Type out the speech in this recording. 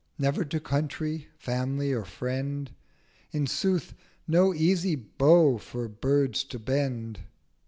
— Never to Country, Family, or Friend!'— In sooth no easy Bow for Birds to bend!